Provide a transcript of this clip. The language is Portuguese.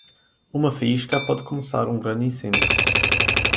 Uma faísca pode começar um grande incêndio.